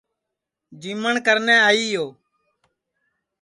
جیمٹؔ کرنے آئی یو